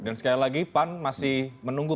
dan sekali lagi pan masih menunggu